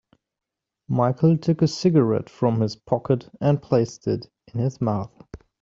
Michael took a cigarette from his pocket and placed it in his mouth.